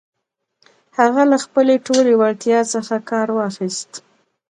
هغه له خپلې ټولې وړتيا څخه کار واخيست.